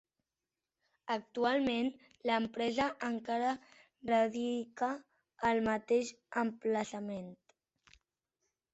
Actualment l'empresa encara radica al mateix emplaçament.